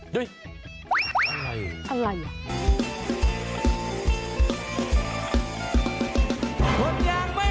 ด้วย